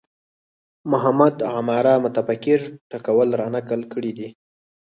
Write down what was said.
محمد عماره متفکر ټکول رانقل کړی دی